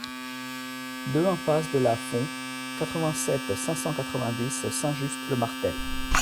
deux impasse de Lasfond, quatre-vingt-sept, cinq cent quatre-vingt-dix, Saint-Just-le-Martel